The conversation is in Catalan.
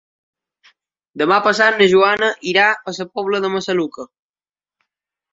Demà passat na Joana irà a la Pobla de Massaluca.